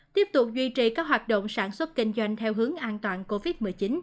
tiếp tục duy trì các hoạt động sản xuất kinh doanh theo hướng an toàn covid một mươi chín